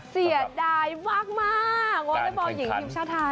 เสียดายมากมากวอเตอร์บอลหญิงชาวไทย